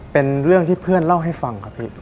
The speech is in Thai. เป็นเรื่องที่เพื่อนเล่าให้ฟังครับพี่